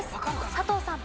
佐藤さん。